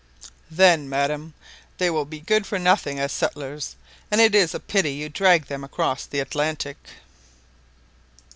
"Then, madam, they will be good for nothing as settlers; and it is a pity you dragged them across the Atlantic."